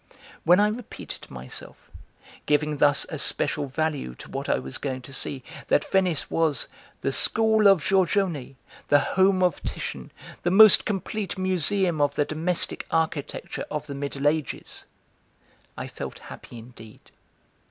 When I repeated to myself, giving thus a special value to what I was going to see, that Venice was the "School of Giorgione, the home of Titian, the most complete museum of the domestic architecture of the Middle Ages," I felt happy indeed.